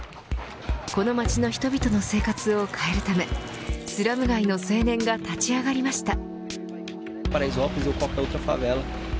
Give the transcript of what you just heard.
この街の人々の生活を変えるためスラム街の青年が立ち上がりました。